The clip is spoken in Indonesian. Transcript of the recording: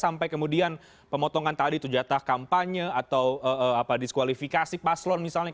sampai kemudian pemotongan tadi itu jatah kampanye atau diskualifikasi paslon misalnya